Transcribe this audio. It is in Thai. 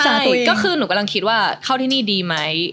ตุ๋ยก็คือหนูกำลังคิดว่าเข้าที่นี่ดีไหม